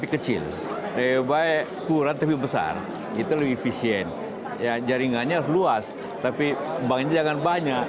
kecil rebaik kurang lebih besar itu lebih efisien yang jaringannya luas tapi bangun jangan banyak